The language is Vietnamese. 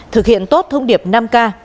thực hiện tốt thông điệp năm k